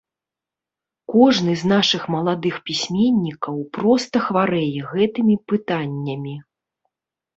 Кожны з нашых маладых пісьменнікаў проста хварэе гэтымі пытаннямі.